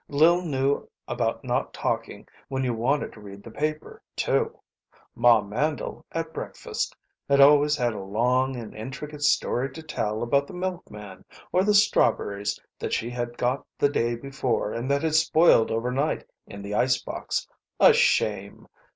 Lil knew about not talking when you wanted to read the paper, too. Ma Mandle, at breakfast, had always had a long and intricate story to tell about the milkman, or the strawberries that she had got the day before and that had spoiled overnight in the icebox. A shame!